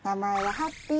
ハッピー。